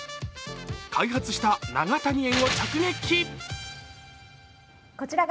開発した永谷園を直撃。